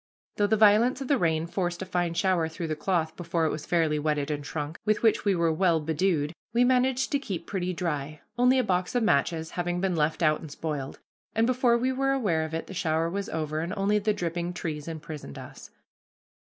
Though the violence of the rain forced a fine shower through the cloth before it was fairly wetted and shrunk, with which we were well bedewed, we managed to keep pretty dry, only a box of matches having been left out and spoiled, and before we were aware of it the shower was over, and only the dripping trees imprisoned us.